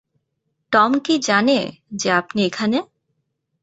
Tom কি জানে যে আপনি এখানে?